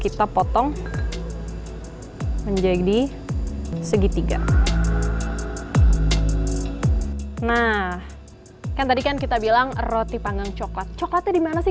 kita potong menjadi segitiga nah kan tadi kan kita bilang roti panggang coklat coklatnya dimana sih